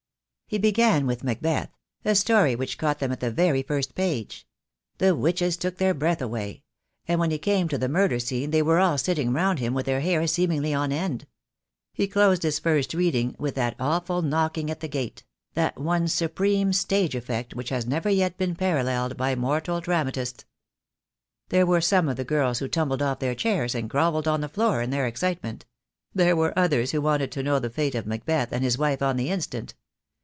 He began with Macbeth, a story which caught them at the very first page. The witches took their breath away; and when he came to the murder scene they were all sitting round him with their hair seemingly on end. He closed his first reading with that awful knocking at the gate; that one supreme stage effect which has never yet been paralleled by mortal dramatist. There were some of the girls who tumbled off their chairs and grovelled on the floor in their excitement. There were others who wanted to know the fate of Macbeth and his wife on the instant.